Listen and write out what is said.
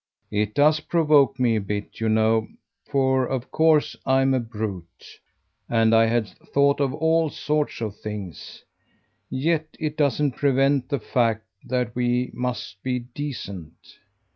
"It does provoke me a bit, you know for of course I'm a brute. And I had thought of all sorts of things. Yet it doesn't prevent the fact that we must be decent."